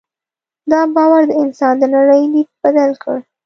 دا باور د انسان د نړۍ لید بدل کړ.